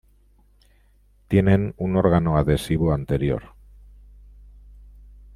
Tienen un órgano adhesivo anterior.